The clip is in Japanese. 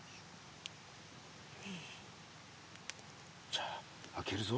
じゃあ開けるぞ。